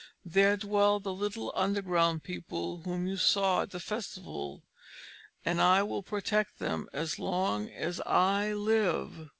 There dwell the little underground people whom you saw at the festival, and I will protect them as long as I live!"